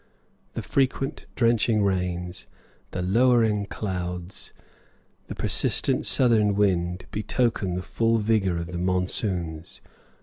The frequent drenching rains, the lowering clouds, and the persistent southern wind betoken the full vigor of the monsoons.